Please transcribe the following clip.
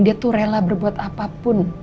dia rela berbuat apapun